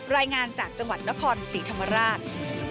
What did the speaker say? รายงานจากจังหวัดนครศรีธรรมราช